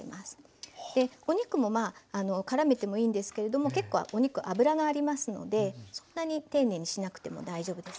お肉もからめてもいいんですけれども結構お肉脂がありますのでそんなに丁寧にしなくても大丈夫です。